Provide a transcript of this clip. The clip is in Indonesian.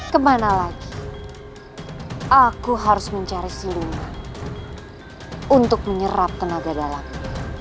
kemana lagi aku harus mencari si lima untuk menyerap tenaga dalamnya